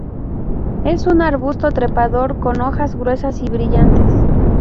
Es un arbusto trepador con hojas gruesas y brillantes.